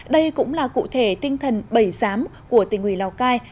đây cũng là cụ thể tinh thần bẩy giám của tỉnh quỳ lào cai